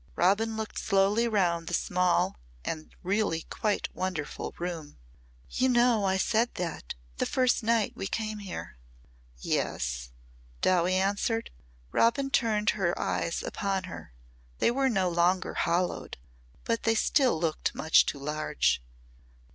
Robin looked slowly round the small and really quite wonderful room. "You know I said that, the first night we came here." "Yes?" Dowie answered. Robin turned her eyes upon her. They were no longer hollowed, but they still looked much too large.